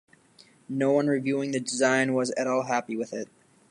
No one reviewing the design was at all happy with it.